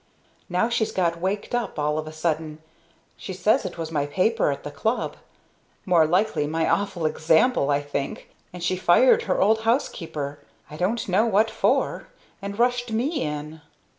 Now she's got waked up all of a sudden she says it was my paper at the club more likely my awful example, I think! and she fired her old housekeeper I don't know what for and rushed me in.